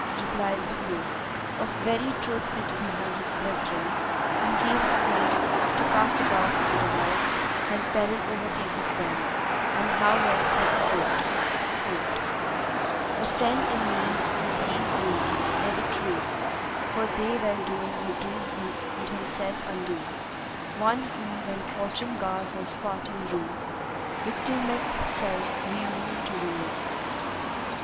Replied the crow, "Of very truth it behoveth brethren, in case of need, to cast about for a device when peril overtaketh them, and how well saith the poet, A friend in need is he who, ever true, * For they well doing would himself undo: One who when Fortune gars us parting rue * Victimeth self reunion to renew.'"